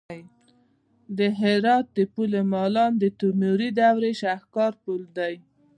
د هرات د پل مالان د تیموري دورې شاهکار پل دی